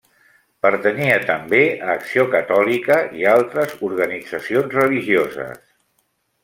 Pertanyia també a l’Acció Catòlica i altres organitzacions religioses.